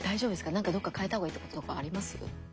なんかどっか変えた方がいいとことかあります？